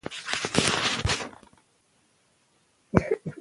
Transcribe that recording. د کار ساعتونو انعطاف اړین دی.